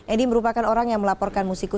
edi merupakan orang yang melaporkan musikus